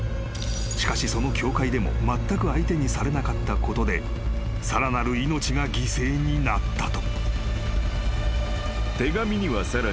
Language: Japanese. ［「しかしその教会でもまったく相手にされなかったことでさらなる命が犠牲になった」と］